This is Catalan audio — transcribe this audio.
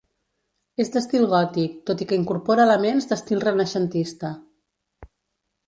És d'estil gòtic, tot i que incorpora elements d'estil renaixentista.